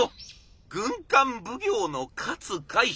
軍艦奉行の勝海舟。